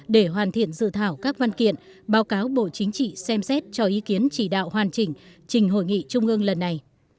để hoàn thiện dự thảo các văn kiện báo cáo bộ chính trị xem xét cho ý kiến chỉ đạo hoàn chỉnh trình hội nghị trung ương lần này